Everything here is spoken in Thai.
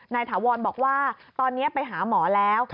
ถาวรบอกว่าตอนนี้ไปหาหมอแล้ว